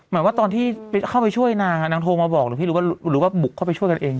หมายว่าตอนที่เข้าไปช่วยนางนางโทรมาบอกหรือพี่หรือว่าบุกเข้าไปช่วยกันเอง